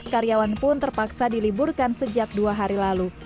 tujuh belas karyawan pun terpaksa diliburkan sejak dua hari lalu